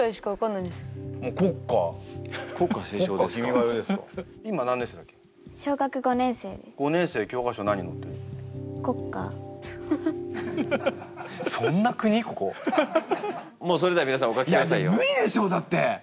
いや無理でしょだって。